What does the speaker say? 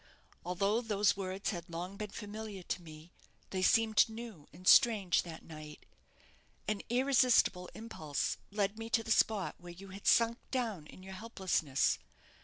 Although those words had long been familiar to me, they seemed new and strange that night. An irresistible impulse led me to the spot where you had sunk down in your helplessness.